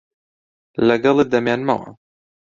لەگەڵت دەمێنمەوە.